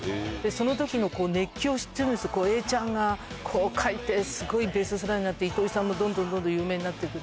そのときの熱狂を知ってるんですよ、永ちゃんがこう書いて、すごいベストセラーになって、糸井さんもどんどんどんどん有名になっていく。